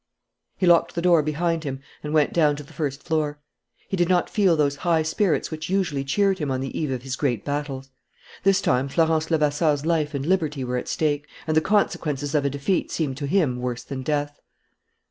He locked the door behind him and went down to the first floor. He did not feel those high spirits which usually cheered him on the eve of his great battles. This time, Florence Levasseur's life and liberty were at stake; and the consequences of a defeat seemed to him worse than death.